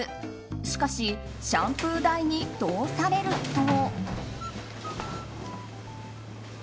しかし、シャンプー台に通されると。